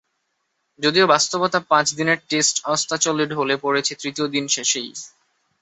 যদিও বাস্তবতা, পাঁচ দিনের টেস্ট অস্তাচলে ঢলে পড়েছে তৃতীয় দিন শেষেই।